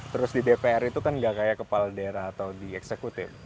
terus di dpr itu kan gak kayak kepala daerah atau di eksekutif